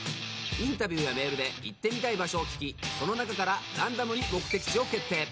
インタビューやメールで行ってみたい場所を聞きその中からランダムに目的地を決定。